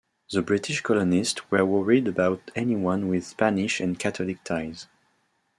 The British colonists were worried about anyone with Spanish and Catholic ties.